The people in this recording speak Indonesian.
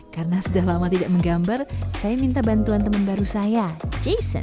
karena sudah lama tidak menggambar saya minta bantuan teman baru saya jason